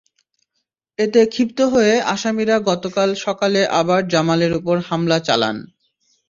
এতে ক্ষিপ্ত হয়ে আসামিরা গতকাল সকালে আবার জামালের ওপর হামলা চালান।